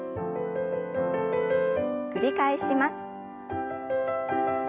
繰り返します。